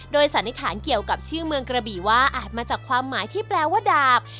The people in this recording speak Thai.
โดยสันนิษฐานเกี่ยวกับชื่อเมืองกระบี่ว่าอาจมาจากความหมายที่แปลว่าดาบ